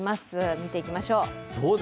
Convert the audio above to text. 見ていきましょう。